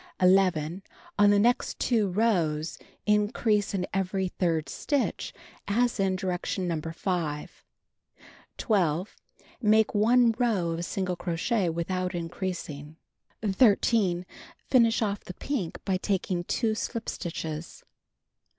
11. On the next 2 rows, increase in every third stitch, as in direction No. 5. 12. Make 1 row of single crochet without increasing. 13. Finish off the pink by taking 2 slip stitches.